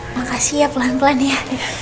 makasih ya pelan pelan ya